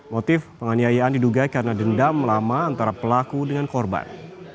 motif penganiayaan diduga karena dendam lama antara pelaku dengan korban